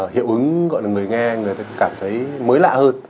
hiệu ứng gọi là người nghe người ta cảm thấy mới lạ hơn